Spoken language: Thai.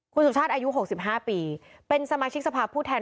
คุณสุชาติอายุ๖๕ปีเป็นสมาชิกสภาพผู้แทน